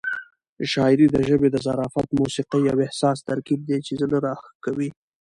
شاعري د ژبې د ظرافت، موسيقۍ او احساس ترکیب دی چې زړه راښکوي.